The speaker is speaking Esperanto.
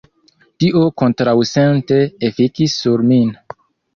Tio kontraŭsente efikis sur min.